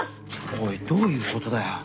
おいどういう事だよ？